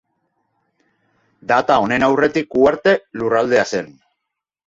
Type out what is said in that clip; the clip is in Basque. Data honen aurretik Uharte Lurraldea zen.